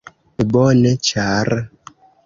Bone ĉar...